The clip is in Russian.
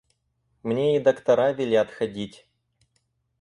Мне и доктора велят ходить.